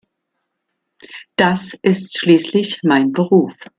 Das ist schließlich mein Beruf.